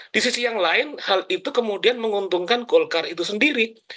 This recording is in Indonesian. di sisi yang lain hal itu kemudian menguntungkan golkar itu sendiri